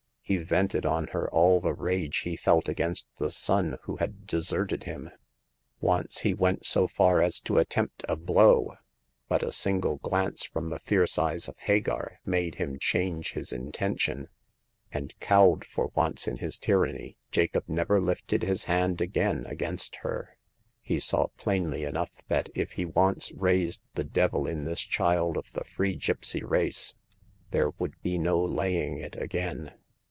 He vented on her all the rage he felt against the son who had deserted him. Once he went so far as to attempt a blow ; but a single glance from the fierce eyes of Hagar made him change his in tention ; and, cowed for once in his t)Tanny, Jacob never lifted his hand again against her. He saw plainly enough that if he once raised the devil in this child of the free gipsy race, there would be no laying it again.